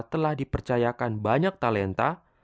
siapa telah dipercayakan banyak talenta